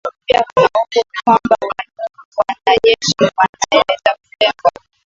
Pia kuna hofu kwamba wanajeshi wanaweza kulengwa